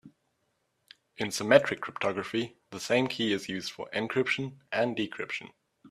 In symmetric cryptography the same key is used for encryption and decryption.